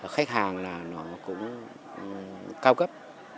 khách hàng là nó cũng cao cấp